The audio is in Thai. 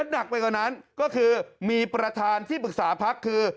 ดังนั้นก็คือมีประทานที่ปรึกษาภักดิ์คือ